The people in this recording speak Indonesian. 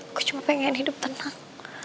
aku cuma pengen hidup tenang